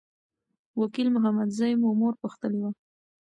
وکیل محمدزی مو مور پوښتلي وه.